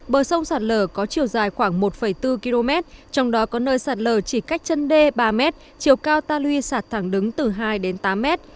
bờ sông sạt lở có chiều dài khoảng một bốn km trong đó có nơi sạt lở chỉ cách chân đê ba mét chiều cao ta lui sạt thẳng đứng từ hai đến tám mét